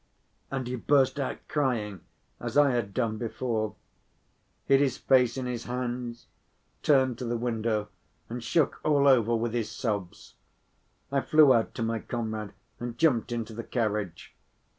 And he burst out crying as I had done before, hid this face in his hands, turned to the window and shook all over with his sobs. I flew out to my comrade and jumped into the carriage.